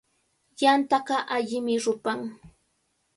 Yantaqa allimi rupan.